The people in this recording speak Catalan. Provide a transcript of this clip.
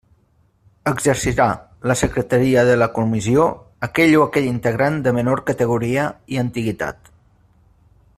Exercirà la secretaria de la comissió aquell o aquella integrant de menor categoria i antiguitat.